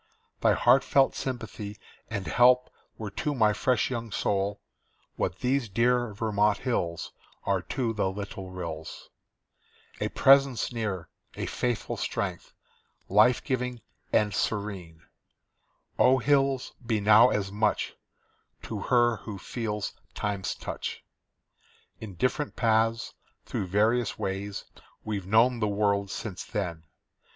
Thy heartfelt sympathy and help were to my fresh young soul What these dear Vermont hills Are to the little rills; A presence near, a faithful strength, life giving and serene Oh, hills, be now as much To her who feels Time's touch! In different paths, through various ways, we've known the world since then.